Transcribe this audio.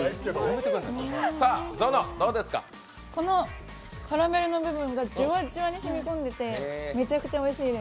このカラメルの部分がじわじわに染み込んでてめちゃくちゃおいしいです。